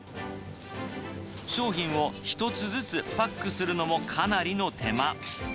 商品を１つずつパックするのもかなりの手間。